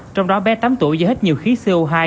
trong đó bé tám tuổi do hết nhiều khí co hai